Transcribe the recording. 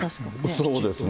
そうですね。